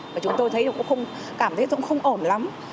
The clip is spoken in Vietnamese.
và chúng tôi cảm thấy cũng không ổn lắm